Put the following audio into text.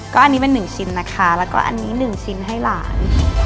ก็อันนี้เป็น๑ชิ้นนะคะแล้วก็อันนี้๑ชิ้นให้หลาน